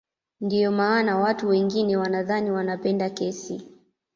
Ndio maana watu wengine wanadhani wanapenda kesi